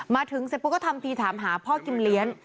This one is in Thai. มาถึงเสร็จปุ๊บก็ทำทีถามหาพ่อกิมเลี้ยง